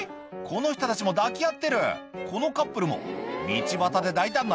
この人たちも抱き合ってるこのカップルも道端で大胆だね